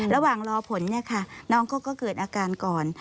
ระหว่างรอผลเนี่ยค่ะน้องเขาก็เกิดอาการก่อน